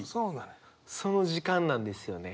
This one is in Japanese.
その時間なんですよね。